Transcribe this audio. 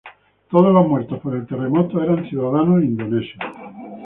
Todos los muertos por el terremoto eran ciudadanos indonesios.